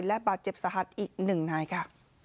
และบาดเจ็บสาหัสอีก๑นายค่ะ